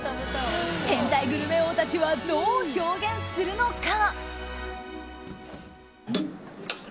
変態グルメ王たちはどう表現するのか。